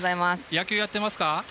野球、やってますか？